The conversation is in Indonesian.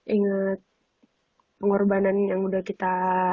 ingat pengorbanan yang udah kita